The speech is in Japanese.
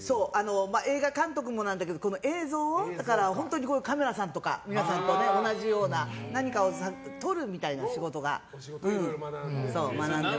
映画監督もなんだけど、映像を本当にカメラさんとかと同じような何かを撮るみたいな仕事を学んでいます。